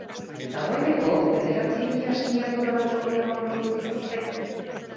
Dagoeneko bederatzi mila sinadura baino gehiago lortu dituzte.